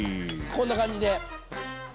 こんな感じで。